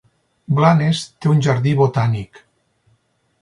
Blanes té un jardí botànic.